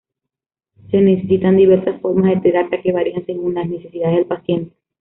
Se necesitan diversas formas de terapia que varían según las necesidades del paciente.